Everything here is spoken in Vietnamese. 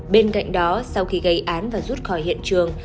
bên cạnh đó sau khi gây án và rút khỏi hiện trường